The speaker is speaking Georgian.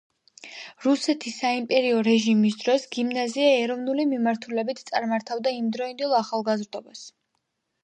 რუსეთის საიმპერიო რეჟიმის დროს გიმნაზია ეროვნული მიმართულებით წარმართავდა იმდროინდელ ახალგაზრდობას.